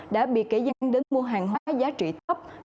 đã bị kể dăng đến mua hàng hóa giá trị tấp